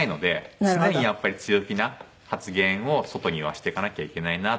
常にやっぱり強気な発言を外にはしていかなきゃいけないな。